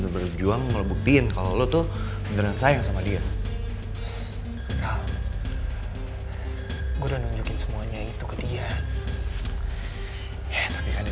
berjuang ngelukin kalau tuh beneran sayang sama dia hal hal udah nunjukin semuanya itu ke dia